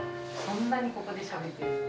そんなにここでしゃべってるの？